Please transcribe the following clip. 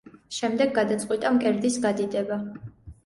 შემდეგ გადაწყვიტა მკერდის გადიდება.